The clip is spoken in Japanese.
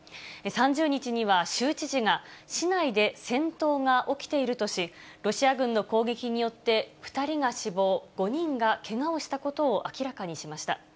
３０日には州知事が、市内で戦闘が起きているとし、ロシア軍の攻撃によって２人が死亡、５人がけがをしたことを明らかにしました。